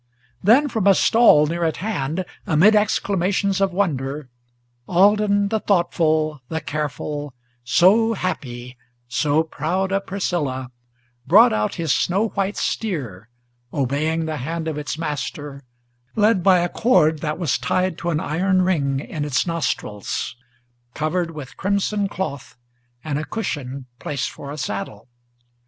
Then from a stall near at hand, amid exclamations of wonder, Alden the thoughtful, the careful, so happy, so proud of Priscilla, Brought out his snow white steer, obeying the hand of its master, Led by a cord that was tied to an iron ring in its nostrils, Covered with crimson cloth, and a cushion placed for a saddle.